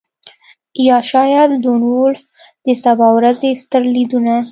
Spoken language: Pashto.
یا شاید لون وولف د سبا ورځې ستر لیدونه